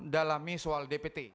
dalam misal dpt